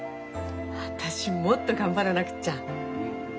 私もっと頑張らなくっちゃ。